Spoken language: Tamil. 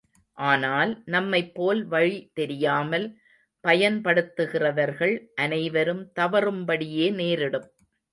ஆனால், நம்மைப் போல் வழி தெரியாமல் பயன்படுத்துகிறவர்கள் அனைவரும் தவறும்படியே நேரிடும்.